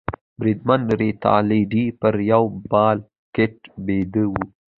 بریدمن رینالډي پر یوه بل کټ بیده وو.